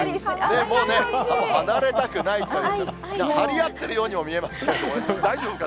もう、離れたくない、張り合ってるようにも見えますけどね、大丈夫か？